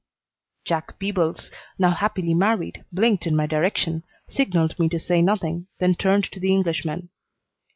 Jack Peebles, now happily married, blinked in my direction, signaled me to say nothing, then turned to the Englishman.